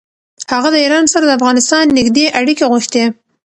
هغه د ایران سره د افغانستان نېږدې اړیکې غوښتې.